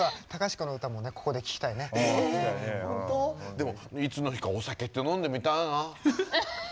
でもいつの日かお酒って飲んでみたいな。